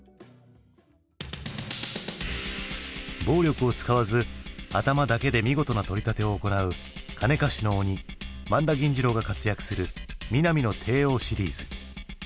暴力を使わず頭だけで見事な取り立てを行う金貸しの鬼萬田銀次郎が活躍する「ミナミの帝王」シリーズ。